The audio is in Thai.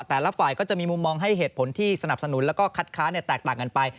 แต่ละฝ่ายก็จะมีมุมมองให้เหตุผลที่สนับสนุนแล้วก็คัดค้านแตกต่างกันไป